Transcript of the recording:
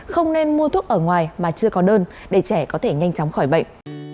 không nên mua thuốc ở ngoài mà chưa có đơn để trẻ có thể nhanh chóng khỏi bệnh